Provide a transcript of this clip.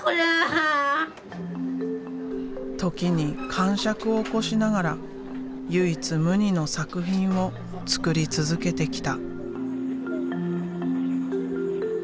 時にかんしゃくを起こしながら唯一無二の作品を作り続けてきた。